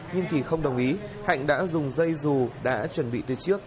nhưng thì không đồng ý hạnh đã dùng dây dù đã chuẩn bị từ trước